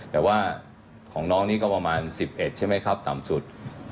แต่ว่าของน้องนี่ก็ประมาณ๑๑ใช่ไหมครับต่ำสุด